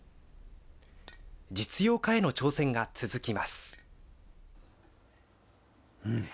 実用化への挑戦が続きます。